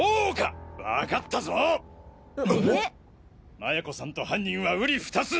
麻也子さんと犯人は瓜二つ！